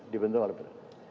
dibentuk oleh presiden